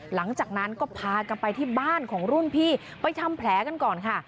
หลังจากนั้นก็พากันไปที่บ้านของรุ่นพี่ไปทำแผลกันก่อนค่ะ